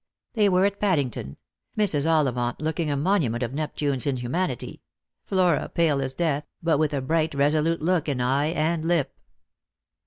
They were at Paddington — Mrs. Ollivant looking a monument of Neptune's inhumanity; Flora pale as death, but with a bright resolute look in eye and lip.